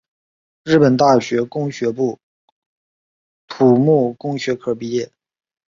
日本大学工学部土木工学科毕业。